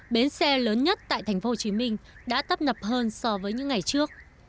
bến xe lớn nhất tại tp hcm đã tấp nập hơn so với những ngày trước